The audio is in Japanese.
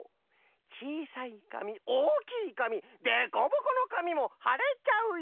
「ちいさいかみおおきいかみでこぼこのかみもはれちゃうよ」。